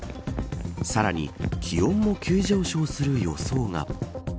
さらに気温も急上昇する予想が。